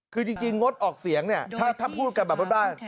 คือจริงงดออกเสียงเนี่ยถ้าพูดกันแบบบ้าน